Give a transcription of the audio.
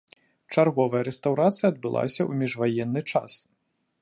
Чарговая рэстаўрацыя адбылася ў міжваенны час.